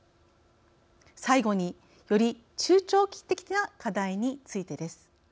最後により中長期的な課題についてです。